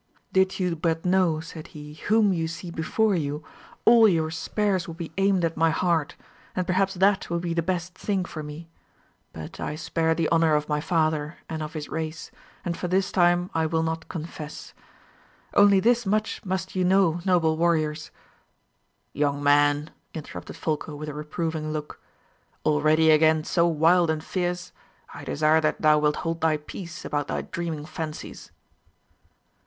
"Did you but know," said he, "whom you see before you, all your spears would be aimed at my heart; and perhaps that would be the best thing for me. But I spare the honour of my father and of his race, and for this time I will not confess. Only this much must you know, noble warriors " "Young man," interrupted Folko with a reproving look, "already again so wild and fierce? I desire that thou wilt hold thy peace about thy dreaming fancies."